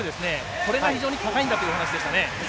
これが非常に高いんだというお話でしたね。